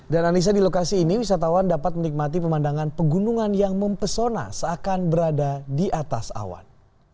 dan anissa di lokasi ini wisatawan dapat menikmati pemandangan pegunungan yang mempesona seakan berada di atas awan